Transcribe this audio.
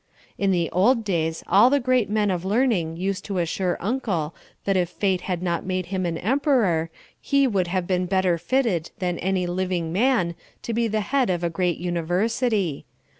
In the old days all the great men of learning used to assure Uncle that if fate had not made him an emperor he would have been better fitted than any living man to be the head of a great university.